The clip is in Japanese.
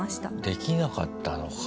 できなかったのか。